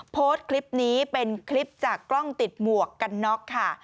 โพสต์คลิปนี้เป็นคลิปจากกล้องติดหมวกกันน็อกค่ะ